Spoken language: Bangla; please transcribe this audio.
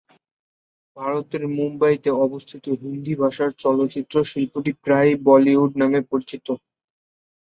ভারতের মুম্বইতে অবস্থিত হিন্দি ভাষার চলচ্চিত্র শিল্পটি প্রায়ই বলিউড নামে পরিচিত।